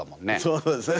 そうですね。